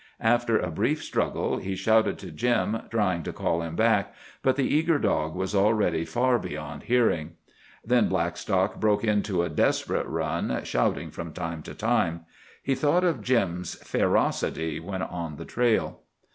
After a brief struggle he shouted to Jim, trying to call him back. But the eager dog was already far beyond hearing. Then Blackstock broke into a desperate run, shouting from time to time. He thought of Jim's ferocity when on the trail.